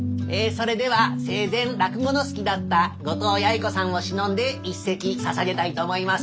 それでは生前落語の好きだった後藤八栄子さんをしのんで一席ささげたいと思います。